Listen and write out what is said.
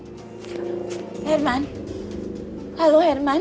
hai herman halo herman